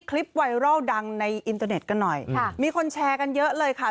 ไวรัลดังในอินเตอร์เน็ตกันหน่อยค่ะมีคนแชร์กันเยอะเลยค่ะ